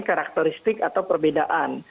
karakteristik atau perbedaan